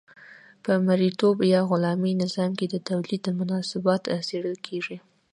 په مرئیتوب یا غلامي نظام کې د تولید مناسبات څیړل کیږي.